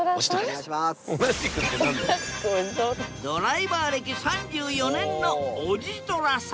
ドライバー歴３４年のおじとらさん。